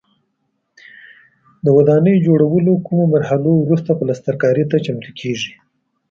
د ودانۍ جوړولو کومو مرحلو وروسته پلسترکاري ته چمتو کېږي.